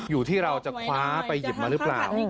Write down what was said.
อยู่ที่เราจะคว้าไปหยิบมาหรือเปล่า